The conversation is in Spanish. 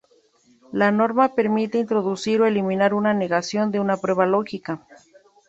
La norma permite introducir o eliminar una negación de una prueba lógica.